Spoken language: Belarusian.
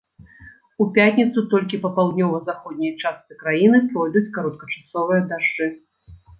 У пятніцу толькі па паўднёва-заходняй частцы краіны пройдуць кароткачасовыя дажджы.